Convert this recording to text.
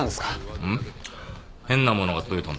うん？